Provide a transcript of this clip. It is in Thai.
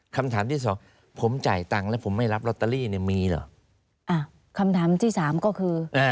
คำถามที่สองผมจ่ายตังค์แล้วผมไม่รับลอตเตอรี่เนี่ยมีเหรอ